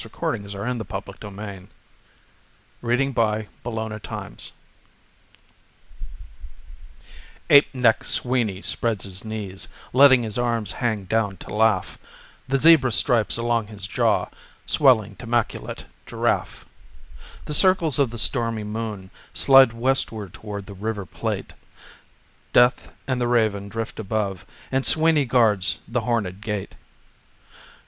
Sweeney Among the Nightingales [Greek text inserted here] Apeneck Sweeney spreads his knees Letting his arms hang down to laugh, The zebra stripes along his jaw Swelling to maculate giraffe. The circles of the stormy moon Slide westward toward the River Plate, Death and the Raven drift above And Sweeney guards the hornèd gate.